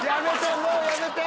もうやめて！